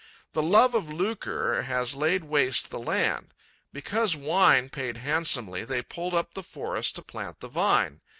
The love of lucre has laid waste the land. Because wine paid handsomely, they pulled up the forest to plant the vine.